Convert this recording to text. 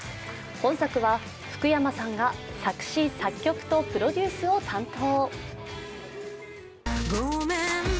今作は福山さんが作詞・作曲とプロデュースを担当。